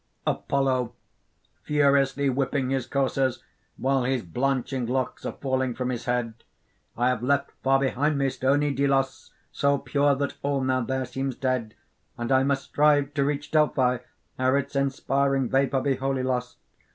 _) APOLLO (furiously whipping his coursers, while his blanching locks are falling from his head): "I have left far behind me stony Delos, so pure that all now there seems dead; and I must strive to reach Delphi ere its inspiring vapour be wholly lost.